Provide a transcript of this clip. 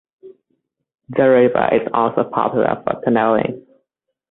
The river is also popular for canoeing.